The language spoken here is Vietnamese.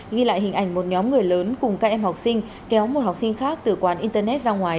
ghi lại hình ảnh một nhóm người lớn cùng các em học sinh kéo một học sinh khác từ quán internet ra ngoài